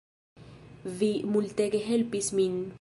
Vi multege helpis min